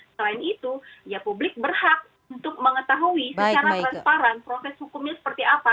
selain itu ya publik berhak untuk mengetahui secara transparan proses hukumnya seperti apa